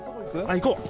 行こう！